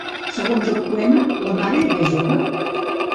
Segons el poema, la mare era jove?